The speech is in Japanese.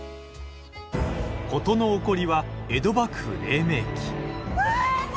ことの起こりは江戸幕府れい明期。